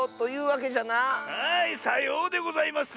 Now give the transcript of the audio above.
はいさようでございます！